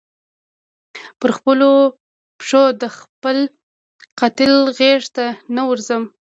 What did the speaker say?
پر خپلو پښو د خپل قاتل غیږي ته نه ورځمه